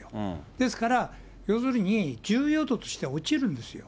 ですから、要するに重要度としては落ちるんですよ。